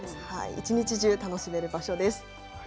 一日中、楽しめる場所です。